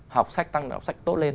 học sách tăng đọc sách tốt lên